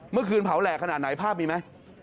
เมื่อคืนเผาแหล่ขนาดไหนภาพมีไหม